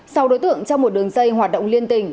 sau đối tượng trong một đường dây hoạt động liên tỉnh